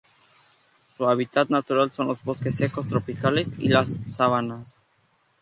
Su hábitat natural son los bosques secos tropicales y las sabanas.